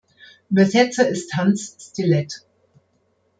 Übersetzer ist Hans Stilett.